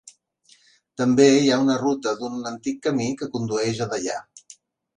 També hi ha una ruta d'un antic camí que condueix a Deià.